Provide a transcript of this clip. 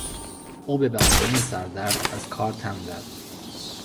او به بهانهٔ سردرد از کار تن زد.